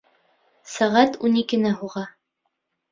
Сәғәт ун икене һуға.